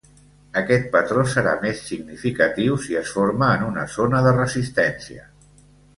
Aquest patró serà més significatiu si es forma en una zona de resistència.